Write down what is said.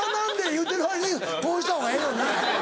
言うてる間にこうした方がええよな。